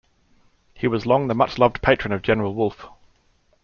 He was long the much loved patron of General Wolfe.